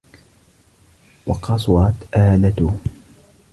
وَقَصُرَتْ آلَتُهُ